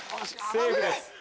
セーフです。